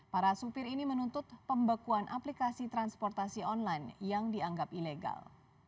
para supir ini menuntut pembekuan aplikasi transportasi online yang dianggap ilegal